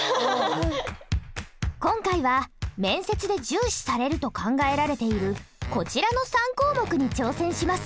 今回は面接で重視されると考えられているこちらの３項目に挑戦します。